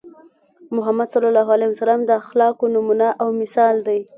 محمد ص د اخلاقو نمونه او مثال دی.